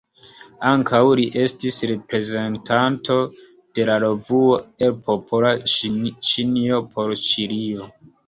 Ankaŭ li estis reprezentanto de la revuo El Popola Ĉinio por Ĉilio.